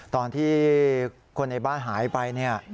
ตอนที่คนในบ้านหายไป